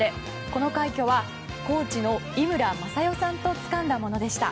この快挙はコーチの井村雅代さんとつかんだものでした。